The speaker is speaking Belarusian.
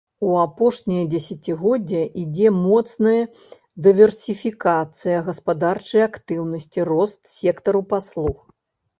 У апошнія дзесяцігоддзі ідзе моцная дыверсіфікацыя гаспадарчай актыўнасці, рост сектару паслуг.